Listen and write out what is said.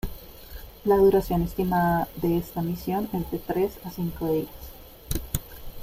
La duración estimada de esta misión es de tres a cinco días.